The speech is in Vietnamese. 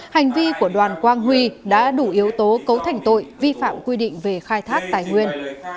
hành vi của đoàn quang huy đã đủ yếu tố cấu thành tội vi phạm quy định về khai thác tài nguyên